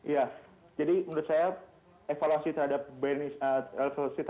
ya jadi menurut saya evaluasi terhadap joe biden mesti dibedakan menjadi dua